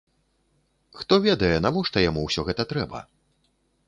Хто ведае, навошта яму ўсё гэта трэба?